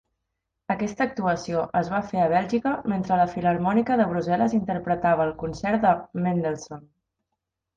Aquesta actuació es va fer a Bèlgica mentre la Filarmònica de Brussel·les interpretava el concert de Mendelssohn.